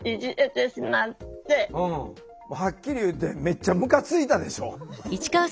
はっきり言ってめっちゃムカついたでしょ？